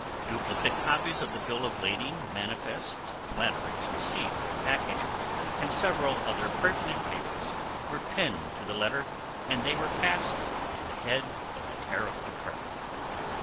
Duplicate copies of the bill of lading, manifest, Flannery's receipt for the package and several other pertinent papers were pinned to the letter, and they were passed to the head of the Tariff Department.